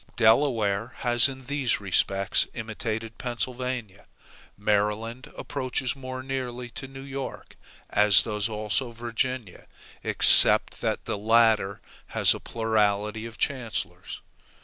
Delaware has in these respects imitated Pennsylvania. Maryland approaches more nearly to New York, as does also Virginia, except that the latter has a plurality of chancellors.